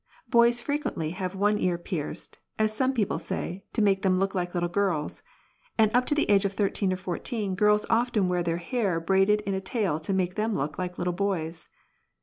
Boys frequently have one ear pierced, as some people say, to make them look like little girls ; and up to the age of thirteen or fourteen, girls often wear their hair braided in a tail to make them look like little boys.